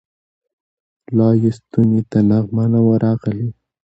لا یې ستوني ته نغمه نه وه راغلې